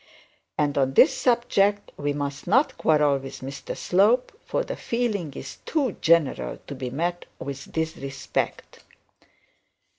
And on this subject we must not quarrel with Mr Slope, for the feeling is too general to be met with disrespect.